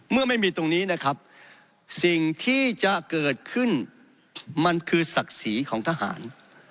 เมื่อไม่มีตรงนี้นะครับสิ่งที่จะเกิดขึ้นมันคือศักดิ์ศรีของทหาร